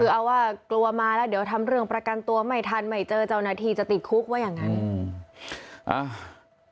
คือเอาว่ากลัวมาแล้วเดี๋ยวทำเรื่องประกันตัวไม่ทันไม่เจอเจ้าหน้าที่จะติดคุกว่าอย่างนั้นอืมอ่า